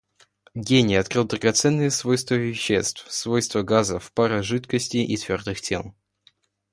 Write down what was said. Гений открыл драгоценные свойства веществ, свойства газов, пара, жидкостей и твердых тел.